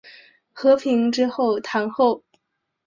和平之后堂后。